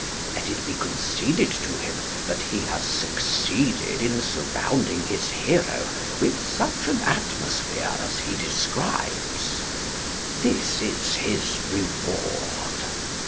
Let it be conceded to him that he has succeeded in surrounding his hero with such an atmosphere as he describes. This is his reward.